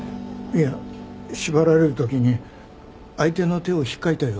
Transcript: いや縛られる時に相手の手を引っかいたような。